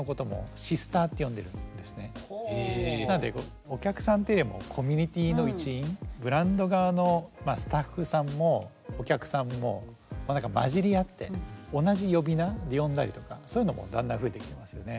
なんでお客さんっていうよりもブランド側のスタッフさんもお客さんも交じり合って同じ呼び名で呼んだりとかそういうのもだんだん増えてきてますよね。